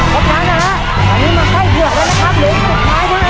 ตอนนี้ก็ต้องให้พ่วนอยู่นะคะ๒ไม้